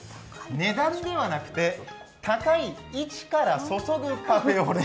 値段ではなくて高い位置から注ぐカフェオレ。